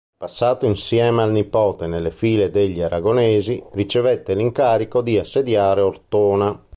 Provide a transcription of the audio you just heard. Passato insieme al nipote nelle file degli Aragonesi, ricevette l'incarico di assediare Ortona.